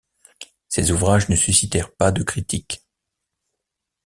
Ces ouvrages ne suscitèrent pas de critiques.